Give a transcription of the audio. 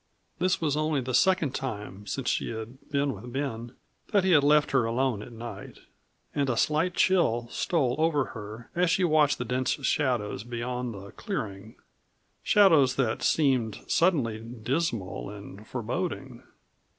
This was only the second time since she had been with Ben that he had left her alone at night, and a slight chill stole over her as she watched the dense shadows beyond the clearing, shadows that seemed suddenly dismal and foreboding.